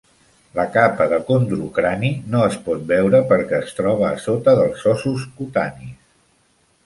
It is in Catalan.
La capa de condrocrani no es pot veure perquè es troba a sota dels ossos cutanis.